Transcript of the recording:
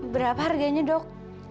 berapa harganya dok